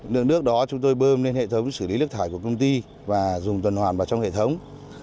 lượng nước đó chúng tôi bơm lên hệ thống xử lý nước thải của công ty và dùng tuần hoàn vào trong hệ thống